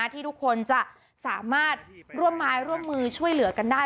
ที่ทุกคนจะสามารถร่วมไม้ร่วมมือช่วยเหลือกันได้